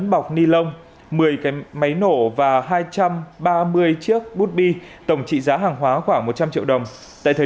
bốn bọc ni lông một mươi cái máy nổ và hai trăm ba mươi chiếc bút bi tổng trị giá hàng hóa khoảng một trăm linh triệu đồng tại thời